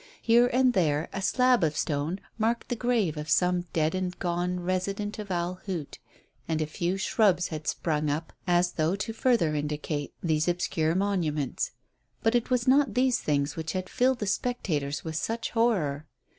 Here and there a slab of stone marked the grave of some dead and gone resident of Owl Hoot, and a few shrubs had sprung up as though to further indicate these obscure monuments. But it was not these things which had filled the spectators with such horror.